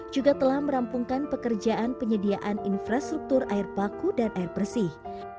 juga telah merampungkan pekerjaan penyediaan infrastruktur air baku dan air bersih